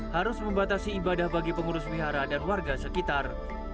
harus membatasi ibadah bagi pengurus wihara dan warga sekitar